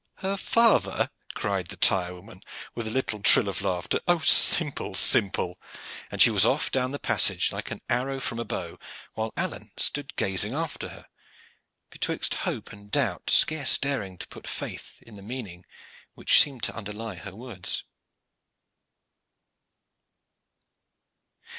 "Her father!" cried the tire woman, with a little trill of laughter. "Oh simple, simple!" And she was off down the passage like arrow from bow, while Alleyne stood gazing after her, betwixt hope and doubt, scarce daring to put faith in the meaning which seemed to underlie her words.